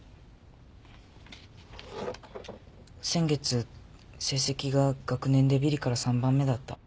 先月成績が学年でビリから３番目だった。